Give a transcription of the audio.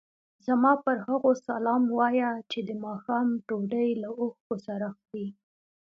زما پر هغو سلام وایه چې د ماښام ډوډۍ له اوښکو سره خوري.